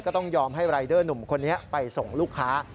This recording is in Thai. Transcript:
ต้องยอมให้รายเดอร์หนุ่มคนนี้ไปส่งลูกค้า